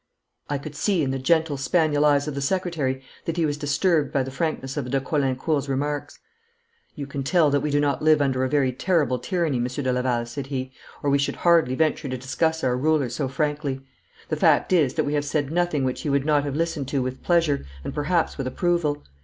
I could see in the gentle, spaniel eyes of the secretary that he was disturbed by the frankness of de Caulaincourt's remarks. 'You can tell that we do not live under a very terrible tyranny, Monsieur de Laval,' said he, 'or we should hardly venture to discuss our ruler so frankly. The fact is that we have said nothing which he would not have listened to with pleasure and perhaps with approval.